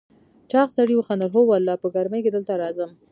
چاغ سړي وخندل: هو والله، په ګرمۍ کې دلته راځم.